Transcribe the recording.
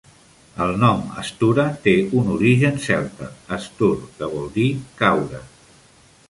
El nom Stura té un origen celta: "stur", que vol dir "caure".